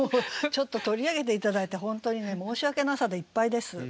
ちょっと取り上げて頂いて本当に申し訳なさでいっぱいです。